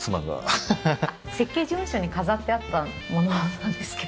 設計事務所に飾ってあったものなんですけど。